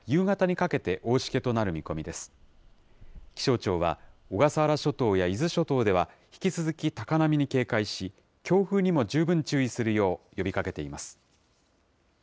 気象庁は、小笠原諸島や伊豆諸島では、引き続き高波に警戒し、強風にも十分注意するよう呼びかけています。